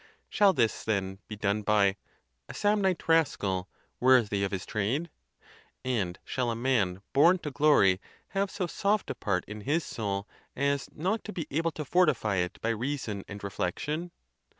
Shall this, then, be done by A Samnite rascal, worthy of his trade; and shall a man born to glory have so soft a part in his soul as not to be able to fortify it by reason and reflection